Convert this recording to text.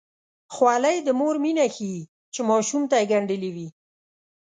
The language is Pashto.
خولۍ د مور مینه ښيي چې ماشوم ته یې ګنډلې وي.